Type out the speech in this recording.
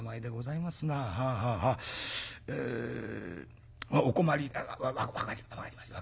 ええお困り分かりました